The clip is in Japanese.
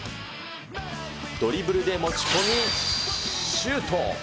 ドリブルで持ち込みシュート。